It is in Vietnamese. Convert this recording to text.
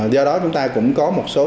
do đó chúng ta cũng có một số